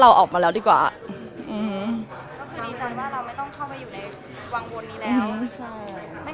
อเรนนี่มีหลังไม้ไม่มี